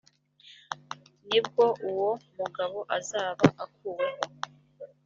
ni bwo uwo mugabo azaba akuweho